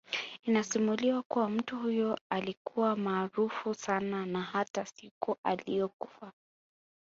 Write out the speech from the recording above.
Inasimuliwa kuwa mtu huyo alikuwa maaraufu sana na hata siku ailiyokufa